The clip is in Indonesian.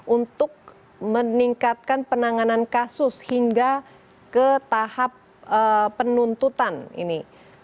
untuk meningkatkan penanganan kasus hingga ke tahap penuntutan ini